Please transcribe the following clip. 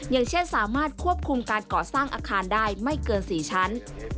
อย่างเช่นสามารถควบคุมการก่อสร้างอาคารได้ไม่เกิน๔ชั้น